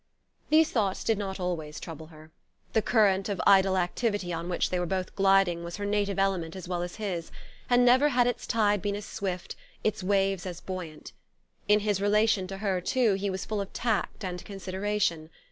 These thoughts did not always trouble her. The current of idle activity on which they were both gliding was her native element as well as his; and never had its tide been as swift, its waves as buoyant. In his relation to her, too, he was full of tact and consideration.